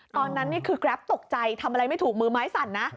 ตอนนั้นกราฟตกใจทำอะไรไม่ถูกมือไม้สั่นนะ